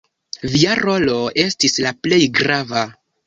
Via rolo estis la plej grava.